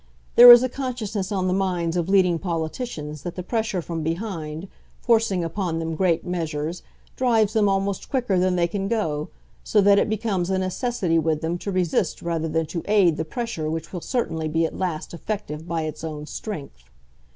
There is a consciousness on the minds of leading politicians that the pressure from behind, forcing upon them great measures, drives them almost quicker than they can go, so that it becomes a necessity with them to resist rather than to aid the pressure which will certainly be at last effective by its own strength.